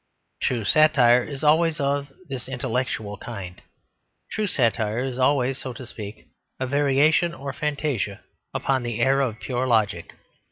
True satire is always of this intellectual kind; true satire is always, so to speak, a variation or fantasia upon the air of pure logic.